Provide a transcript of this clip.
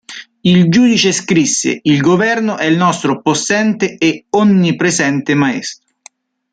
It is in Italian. Il giudice scrisse: "Il governo è il nostro possente e onnipresente maestro.